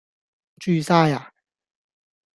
住晒呀